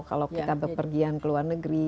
kalau kita berpergian ke luar negeri